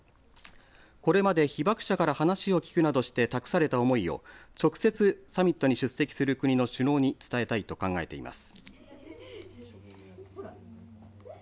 これまで被爆者から話を聞くなどして託された思いを直接サミットに出席する国の首脳に伝えたいと考えています。